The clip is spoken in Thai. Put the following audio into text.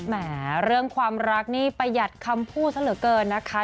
แหมเรื่องความรักนี่ประหยัดคำพูดซะเหลือเกินนะคะ